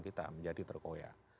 kita menjadi terkoyak